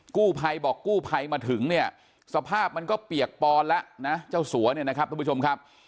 กู้ภัยบอกกู้ภัยมาถึงเนี่ยสภาพมันก็เปียกปอนแล้วนะเจ้าสัวเนี่ยนะครับทุกผู้ชมครับ